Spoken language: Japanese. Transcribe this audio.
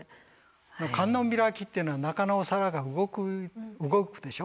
観音開きっていうのは中のお皿が動くでしょ。